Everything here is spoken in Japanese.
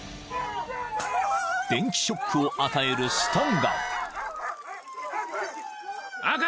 ［電気ショックを与えるスタンガン］